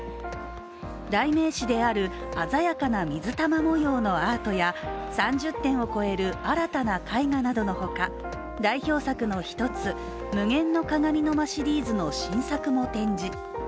代名詞である鮮やかな水玉模様のアートや３０点を超える新たな絵画などのほか、代表作の一つ「無限の鏡の間」シリーズの新作も展示。